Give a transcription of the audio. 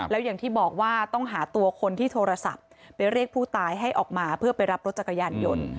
แล้วอย่างที่บอกว่าต้องหาตัวคนที่โทรศัพท์ไปเรียกผู้ตายให้ออกมาเพื่อไปรับรถจักรยานยนต์